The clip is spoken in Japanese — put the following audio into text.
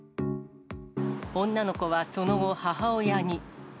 女の子はその後、母親に。